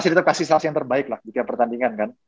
kita pasti kasih sales yang terbaik lah di pertandingan kan